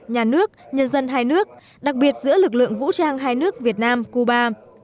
nhà nước nhân dân hai nước đặc biệt giữa lực lượng vũ trang hai nước việt nam cuba